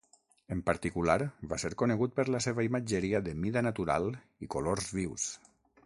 En particular, va ser conegut per la seva imatgeria de mida natural i colors vius.